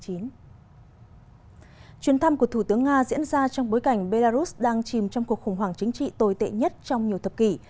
chuyến thăm của thủ tướng nga diễn ra trong bối cảnh belarus đang chìm trong cuộc khủng hoảng chính trị tồi tệ nhất trong nhiều thập kỷ